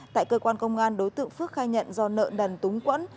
tại cơ quan công an đối tượng phước khai nhận do nợ nần túng quẫn